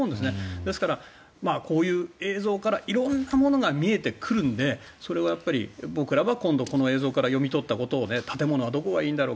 ですから、こういう映像から色んなものが見えてくるのでそれは僕らは今度この映像から読み取ったこと建物はどこがいいんだろう